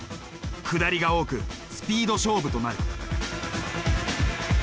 下りが多くスピード勝負となる。